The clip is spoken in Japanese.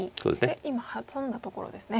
今ハサんだところですね。